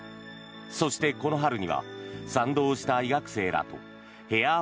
そして、この春には賛同した医学生らとヘアー